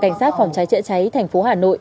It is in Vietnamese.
cảnh sát phòng cháy chữa cháy thành phố hà nội